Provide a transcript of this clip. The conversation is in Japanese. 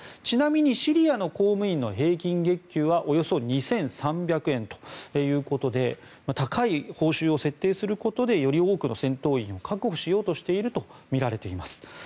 ちなみにシリアの公務員の平均月収はおよそ２３００円ということで高い報酬を設定することでより多くの戦闘員を確保しようとしているとみられています。